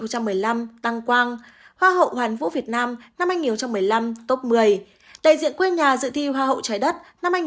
hoa hậu hoàn vũ việt nam năm hai nghìn một mươi năm đại diện quê nhà dự thi hoa hậu trái đất năm hai nghìn một mươi sáu